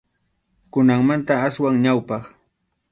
Kunanmanta aswan ñawpaq.